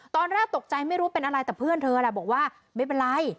ตอนแรกตกใจไม่รู้เป็นอะไรแต่เพื่อนเธอแหละบอกว่าไม่เป็นไร